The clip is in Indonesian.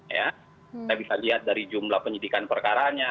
kita bisa lihat dari jumlah penyidikan perkaranya